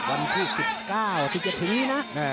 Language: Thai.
วันที่๑๙ที่จะถึงนี้นะ